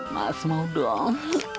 mas mau dong